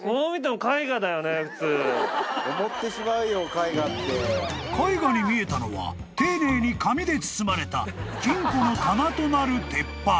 ［絵画に見えたのは丁寧に紙で包まれた金庫の］